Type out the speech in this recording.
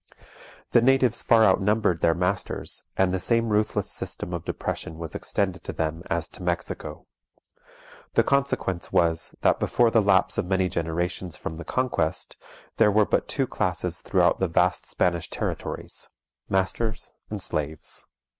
The natives far outnumbered their masters, and the same ruthless system of depression was extended to them as to Mexico. The consequence was, that before the lapse of many generations from the Conquest, there were but two classes throughout the vast Spanish territories masters and slaves.